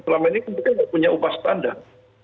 selama ini kan kita tidak punya upah standar